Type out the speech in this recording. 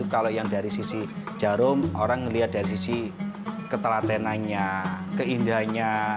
kalau yang dari sisi jarum orang melihat dari sisi ketelatenannya keindahannya